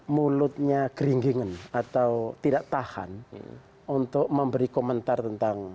mulutnya geringgingan atau tidak tahan untuk memberi komentar tentang